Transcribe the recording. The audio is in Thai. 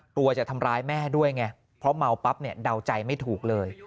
กลัวจะทำร้ายแม่ด้วยไงเพราะเมาปั๊บเนี่ยเดาใจไม่ถูกเลย